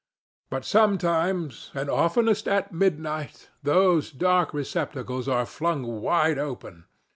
But sometimes, and oftenest at midnight, those dark receptacles are flung wide open.